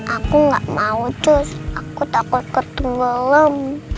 aku gak mau cus aku takut ke kolam